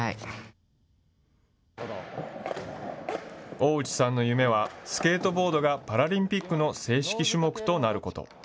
大内さんの夢は、スケートボードがパラリンピックの正式種目となること。